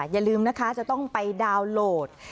อย่าลืมนะคะจะต้องไปดาวน์โหลด